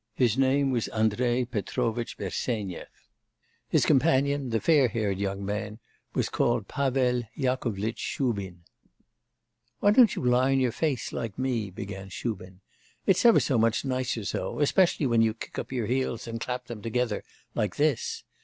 His name was Andrei Petrovitch Bersenyev; his companion, the fair haired young man, was called Pavel Yakovlitch Shubin. 'Why don't you lie on your face, like me?' began Shubin. 'It's ever so much nicer so; especially when you kick up your heels and clap them together like this.